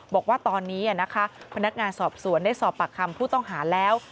บอกว่าตอนนี้นะคะพนักงานสอบสวนได้สอบปากคำผู้ต้องหาแล้ว